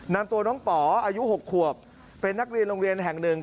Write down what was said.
นำตัวน้องป๋ออายุ๖ขวบเป็นนักเรียนโรงเรียนแห่งหนึ่ง